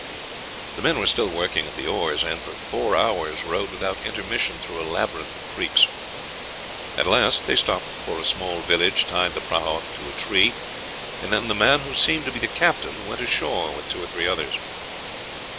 The men were still working at the oars, and for four hours rowed without intermission through a labyrinth of creeks. At last they stopped before a small village, tied the prahu up to a tree, and then the man who seemed to be the captain went ashore with two or three others.